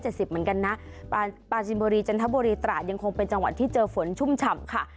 เหมือนกันนะปลาจินบุรีจันทบุรีตราดยังคงเป็นจังหวัดที่เจอฝนชุ่มฉ่ำค่ะ